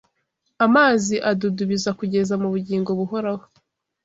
amazi adudubiza kugeza mu bugingo buhoraho”